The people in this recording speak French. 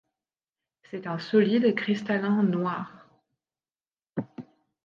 C'est un solide cristallin noir.